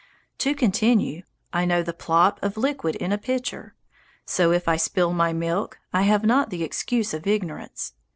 To continue, I know the plop of liquid in a pitcher. So if I spill my milk, I have not the excuse of ignorance.